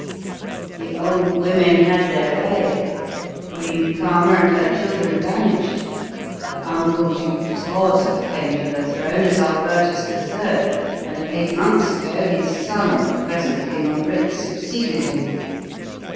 "The old women had their way. Queen Karma and her children vanished; her uncle Duke Sforza came to the throne as Alburtus III., and eight months ago his son, the present King Ulric, succeeded him.